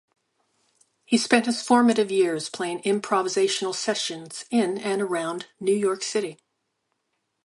He spent his formative years playing improvisational sessions in and around New York City.